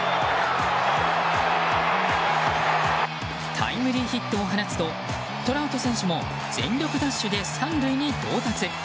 タイムリーヒットを放つとトラウト選手も全力ダッシュで３塁に到達。